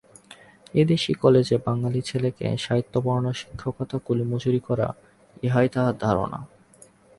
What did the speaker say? এদেশী কালেজে বাঙালি ছেলেকে সাহিত্য পড়ানো শিক্ষকতার কুলিমজুরি করা, ইহাই তাঁর ধারণা।